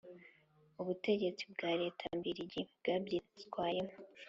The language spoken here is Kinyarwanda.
ubutegetsi bwa Leta mbirigi bwabyitwayemo